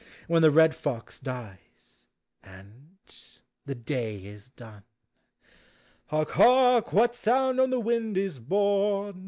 When the red fox dies, and — the day is done. Hark, hark! — What sound on the wind is home?